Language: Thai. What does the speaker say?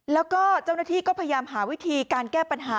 แล้วก็เจ้าหน้าที่ก็พยายามหาวิธีการแก้ปัญหา